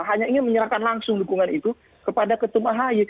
hanya ingin menyerahkan langsung dukungan itu kepada ketum ahy